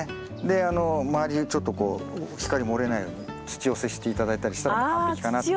で周りをちょっとこう光漏れないように土寄せして頂いたりしたら完璧かなと。